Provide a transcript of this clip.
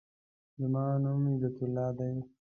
زما نوم عزت الله دی.